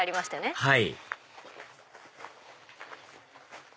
はい。